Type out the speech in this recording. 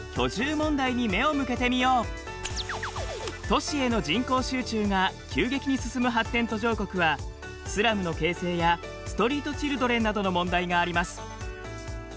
都市への人口集中が急激に進む発展途上国はスラムの形成やストリートチルドレンなどの問題があります。